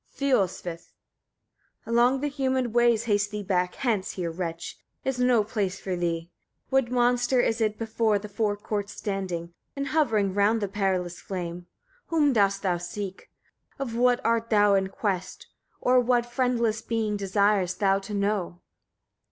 Fiolsvith. Along the humid ways haste thee back hence, here, wretch! is no place for thee. 2. What monster is it before the fore court standing, and hovering round the perilous flame? Whom dost thou seek? Of what art thou in quest? Or what, friendless being! desirest thou to know?